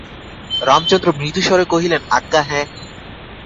রামচন্দ্র মৃদুস্বরে কহিলেন, আজ্ঞা হাঁ।